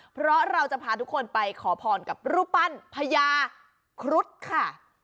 เพราะเราจะพาทุกคนไปขอพรกับรูปปั้นพญาครุฑค่ะ